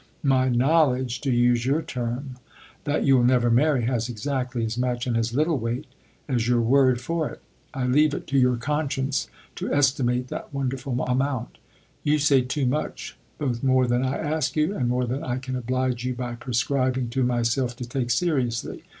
My ' knowledge ' to use your term that you'll never marry has exactly as much and as little weight as your word for it. I leave it to your conscience to estimate that wonderful amount. You say too much both more than I ask you and more than I can oblige you by prescribing to myself to take seriously.